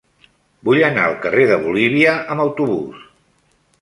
Vull anar al carrer de Bolívia amb autobús.